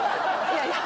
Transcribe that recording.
いやいや。